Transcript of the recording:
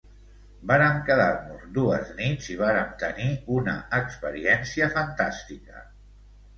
Vàrem quedar-nos dues nits i vàrem tenir una experiència fantàstica.